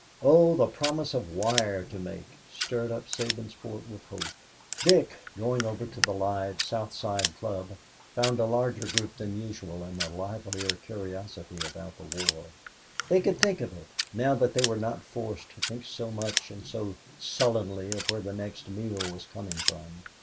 Oh, the promise of wire to make stirred all Sabinsport with hope. Dick, going over to the live South Side Club, found a larger group than usual and a livelier curiosity about the war. They could think of it, now that they were not forced to think so much and so sullenly of where the next meal was coming from.